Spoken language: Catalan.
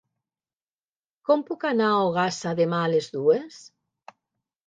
Com puc anar a Ogassa demà a les dues?